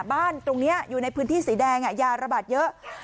บ้านตรงนี้อยู่ในพื้นที่สีแดงยาระบาดเยอะ